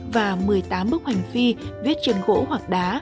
và một mươi tám bức hoành phi viết trên gỗ hoặc đá